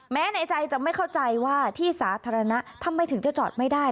ในใจจะไม่เข้าใจว่าที่สาธารณะทำไมถึงจะจอดไม่ได้